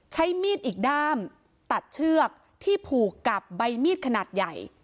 ใช้มีดอีกด้ามตัดเชือกที่ผูกกับใบมีดขนาดใหญ่